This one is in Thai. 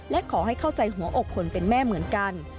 และขอให้เข้าใจหัวอกคนเป็นแม่เหมือนกัน